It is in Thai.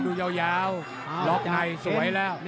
ต้องเล่ารอของในเสวยแล้ว